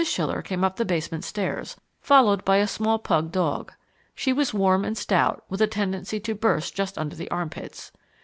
Schiller came up the basement stairs, followed by a small pug dog. She was warm and stout, with a tendency to burst just under the armpits.